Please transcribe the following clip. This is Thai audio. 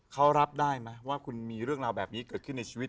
เขารับได้ไหมว่าคุณมีเรื่องราวแบบนี้เกิดขึ้นในชีวิต